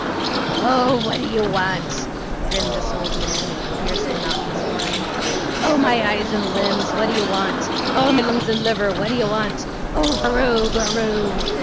'Oh, what do you want?' grinned this old man, in a fierce, monotonous whine. 'Oh, my eyes and limbs, what do you want? Oh, my lungs and liver, what do you want? Oh, goroo, goroo!